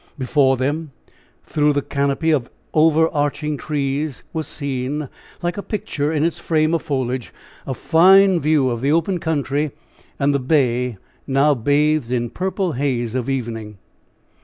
Before them, through the canopy of over arching trees, was seen, like a picture in its frame of foliage, a fine view of the open country and the bay now bathed in purple haze of evening.